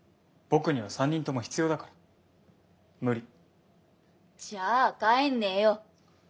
僕には３人とも必要だから無理じゃあ帰んねぇよ！